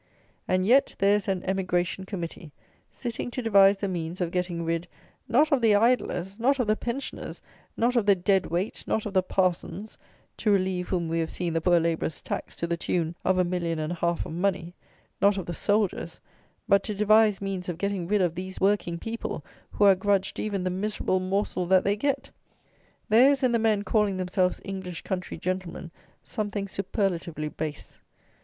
And yet there is an "Emigration Committee" sitting to devise the means of getting rid, not of the idlers, not of the pensioners, not of the dead weight, not of the parsons, (to "relieve" whom we have seen the poor labourers taxed to the tune of a million and a half of money) not of the soldiers; but to devise means of getting rid of these working people, who are grudged even the miserable morsel that they get! There is in the men calling themselves "English country gentlemen" something superlatively base.